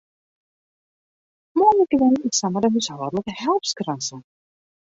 Meie gemeenten samar de húshâldlike help skrasse?